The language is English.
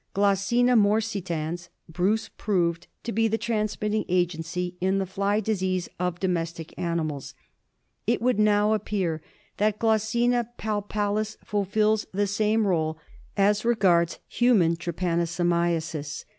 Glossina morsitans Bruce proved to be the transmitting agency in the fly disease of domestic animals. It would now appear that Glossina paipalis fulfils the same role as regards human trypano somiasis.